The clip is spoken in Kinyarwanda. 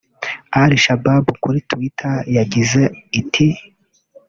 Al shabab kuri twitter yagize iti